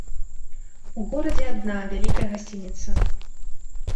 У горадзе адна вялікая гасцініца.